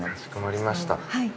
はい。